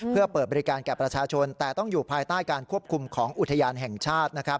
เพื่อเปิดบริการแก่ประชาชนแต่ต้องอยู่ภายใต้การควบคุมของอุทยานแห่งชาติ